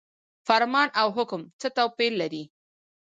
فرمان او حکم څه توپیر لري؟